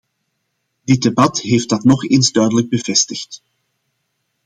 Dit debat heeft dat nog eens duidelijk bevestigd.